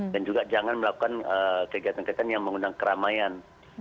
dan juga jangan melakukan kegiatan kegiatan yang mengundang keramaian